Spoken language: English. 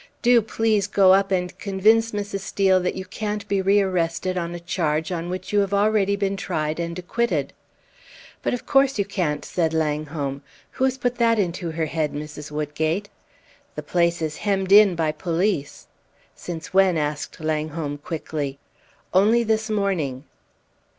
"Do please go up and convince Mrs. Steel that you can't be rearrested on a charge on which you have already been tried and acquitted!" "But of course you can't," said Langholm. "Who has put that into her head, Mrs. Woodgate?" "The place is hemmed in by police." "Since when?" asked Langholm, quickly. "Only this morning."